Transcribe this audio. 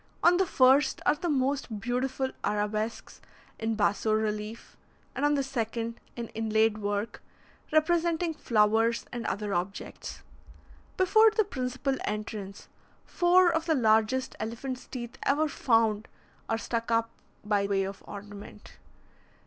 On the first are the most beautiful arabesques in basso relief, and on the second, in inlaid work, representing flowers and other objects. Before the principal entrance, four of the largest elephant's teeth ever found are stuck up by way of ornament.